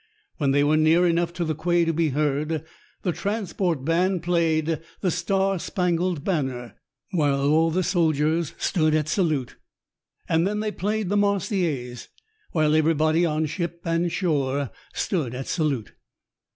When they were near enough to the quay to be heard, the transport band played "The Star Spangled Banner," while all the soldiers stood at salute, and then they played the "Marseillaise," while everybody on ship and shore stood at salute.